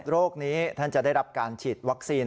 โรคนี้ท่านจะได้รับการฉีดวัคซีน